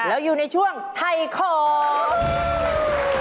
แล้วอยู่ในช่วงไทยของ